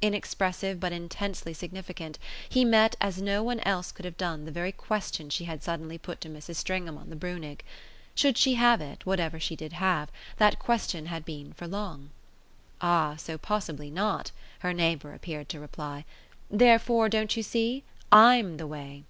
Inexpressive but intensely significant, he met as no one else could have done the very question she had suddenly put to Mrs. Stringham on the Brunig. Should she have it, whatever she did have, that question had been, for long? "Ah so possibly not," her neighbour appeared to reply; "therefore, don't you see? I'M the way."